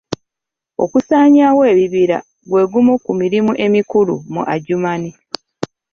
Okusaanyawo ebibira gwe gumu ku mirimu emikulu mu Adjumani.